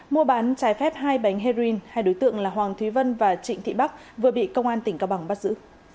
mua bán trái phép hai bánh heroin hai đối tượng là hoàng thúy vân và trịnh thị bắc vừa bị công an tỉnh cao bằng bắt giữ